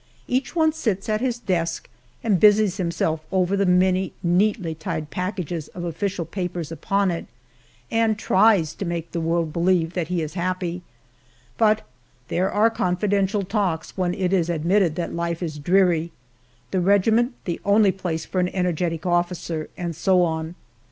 Each one sits at his desk and busies himself over the many neatly tied packages of official papers upon it, and tries to make the world believe that he is happy but there are confidential talks, when it is admitted that life is dreary the regiment the only place for an energetic officer, and so on.